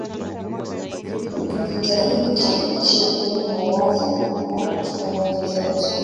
alijitahidi kuhakikisha ukweli na uwazi unakuwa katika nyanja zote